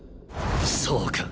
そうか。